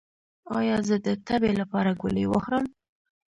ایا زه د تبې لپاره ګولۍ وخورم؟